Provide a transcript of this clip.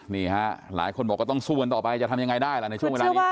นี่ฮะหลายคนบอกก็ต้องสู้กันต่อไปจะทำยังไงได้ล่ะในช่วงเวลานี้